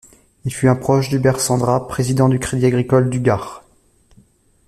Il fut un proche d'Hubert Sendra, président du crédit agricole du Gard.